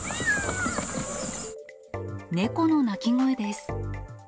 猫の鳴き声です。